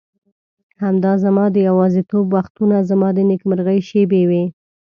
همدا زما د یوازیتوب وختونه زما د نېکمرغۍ شېبې وې.